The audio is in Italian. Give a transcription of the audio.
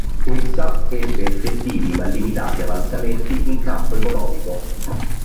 Essa ebbe effettivi ma limitati avanzamenti in campo economico.